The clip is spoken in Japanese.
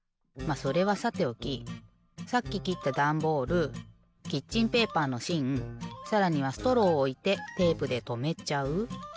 まっそれはさておきさっききったダンボールキッチンペーパーのしんさらにはストローをおいてテープでとめちゃう。